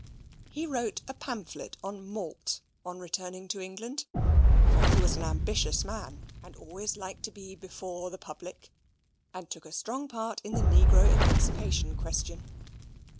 He wrote a pamphlet on Malt on returning to England (for he was an ambitious man, and always liked to be before the public), and took a strong part in the Negro Emancipation question.